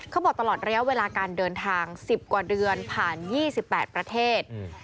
ตลอดระยะเวลาการเดินทาง๑๐กว่าเดือนผ่าน๒๘ประเทศ